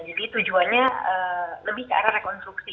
jadi tujuannya lebih ke arah rekonstruksi